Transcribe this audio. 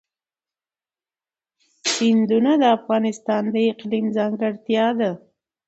سیندونه د افغانستان د اقلیم ځانګړتیا ده.